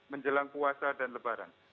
menjelang puasa dan lebaran